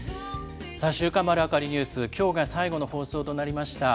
週刊まるわかりニュース、きょうが最後の放送となりました。